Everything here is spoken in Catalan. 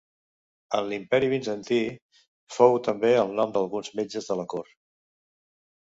En l'Imperi Bizantí fou també el nom d'alguns metges de la cort.